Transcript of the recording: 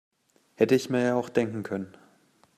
Hätte ich mir ja auch denken können.